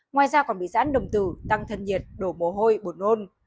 ngoài ra còn bị giãn đồng tử tăng thân nhiệt đổ bồ hôi buồn nôn